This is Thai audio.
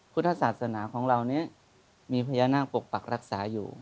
พุทธศาสนาของเรานี้มีพญานาคปกปักรักษาอยู่